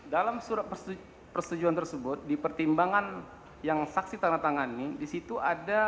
dalam surat persetujuan tersebut di pertimbangan yang saksi tangan tangan ini di situ ada pertimbangan tersebut